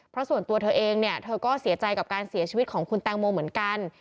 เพราะส่วนตัวเธอเองเนี่ยเธอก็เสียใจกับการเสียชีวิตของคุณแตงโมเหมือนกัน